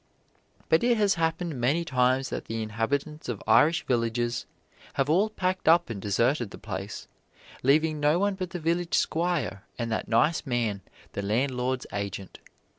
But it has happened many times that the inhabitants of Irish villages have all packed up and deserted the place, leaving no one but the village squire and that nice man, the landlord's agent.